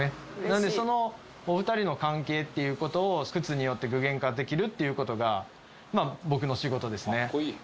なのでそのお二人の関係っていう事を靴によって具現化できるっていう事が。